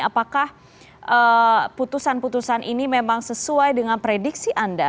apakah putusan putusan ini memang sesuai dengan prediksi anda